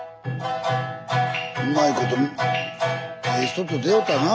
うまいことええ人と出会うたなあこれ。